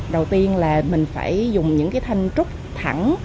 đầu tiên là mình phải dùng những cái thanh trúc thẳng